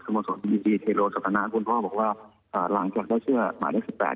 สมศตรีที่เทโรศกรรมนาคุณพ่อบอกว่าหลังจากได้เสื้อหมายเลข๑๘